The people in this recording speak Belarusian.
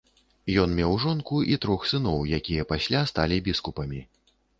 Ён меў жонку і трох сыноў, якія пасля сталі біскупамі.